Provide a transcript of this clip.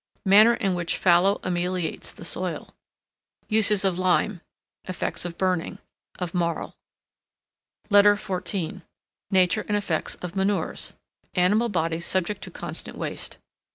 Manner in which FALLOW ameliorates the soil. Uses of Lime. Effects of Burning. Of Marl. LETTER XIV NATURE AND EFFECTS OF MANURES. Animal bodies subject to constant waste.